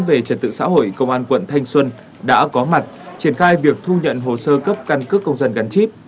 về trật tự xã hội công an quận thanh xuân đã có mặt triển khai việc thu nhận hồ sơ cấp căn cước công dân gắn chip